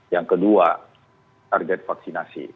yang kedua target vaksinasi